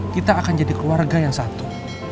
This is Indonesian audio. kita akan jadi keluarga yang satu